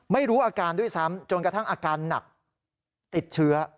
ไม่รู้อาการด้วยซ้ำจนกระทั่งอาการหนักติดเชื้อ